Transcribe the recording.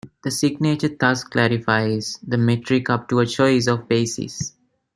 The signature thus classifies the metric up to a choice of basis.